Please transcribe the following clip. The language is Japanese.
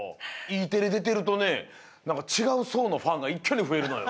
Ｅテレでてるとねなんかちがうそうのファンがいっきょにふえるのよ。